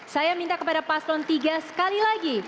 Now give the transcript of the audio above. saya minta kepada paslon tiga sekali lagi